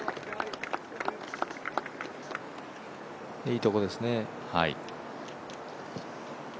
いいところですね。